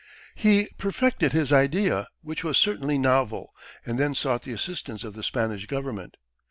He perfected his idea, which was certainly novel, and then sought the assistance of the Spanish Government.